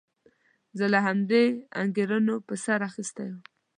زه همدې انګېرنو په سر اخیستی وم.